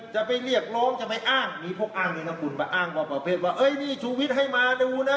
จะไปเรียกโรงจะไปอ้างมีพวกอ้างนี้นะคุณมาอ้างมาเป็นว่าเอ้ยนี่ชูวิตให้มาดูนะ